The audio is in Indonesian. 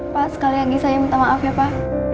pak sekali lagi saya minta maaf ya pak